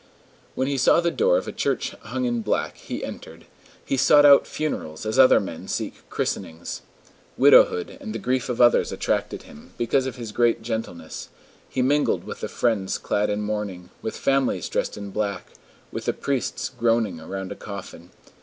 When he saw the door of a church hung in black, he entered: he sought out funerals as other men seek christenings. Widowhood and the grief of others attracted him, because of his great gentleness; he mingled with the friends clad in mourning, with families dressed in black, with the priests groaning around a coffin.